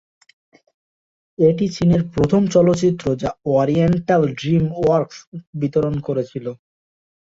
এটি চীনের প্রথম চলচ্চিত্র যা "ওরিয়েন্টাল ড্রিম ওয়ার্কস" বিতরণ করেছিল।